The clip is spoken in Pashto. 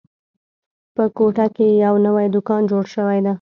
په کوټه کې یو نوی دوکان جوړ شوی ده